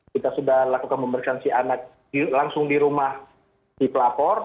kita sudah lakukan pemeriksaan si anak langsung di rumah si pelapor